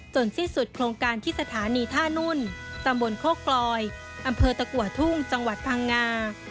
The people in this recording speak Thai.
สิ้นสุดโครงการที่สถานีท่านุ่นตำบลโคกลอยอำเภอตะกัวทุ่งจังหวัดพังงา